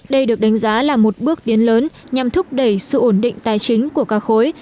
đây được đánh giá là một bước tiến lớn nhằm thúc đẩy sự ổn định tài chính của các khối